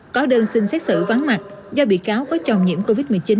có đơn xin xét xử vắng mặt do bị cáo có chồng nhiễm covid một mươi chín